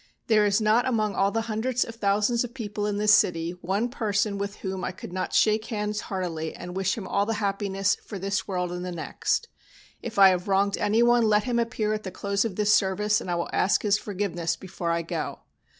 There is not among all the hundreds of thousands of people of this city one person with whom I could not shake hands heartily and wish him all the happiness for this world and the next. If I have wronged anyone let him appear at the close of this service, and I will ask his forgiveness before I go.